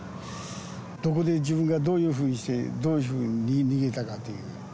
どこで自分がどういうふうにして、どういうふうに逃げたかという。